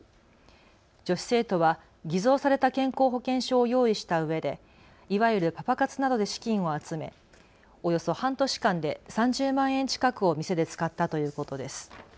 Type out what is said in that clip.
女子生徒は偽造された健康保険証を用意したうえでいわゆるパパ活などで資金を集めおよそ半年間で３０万円近くを店で使ったということです。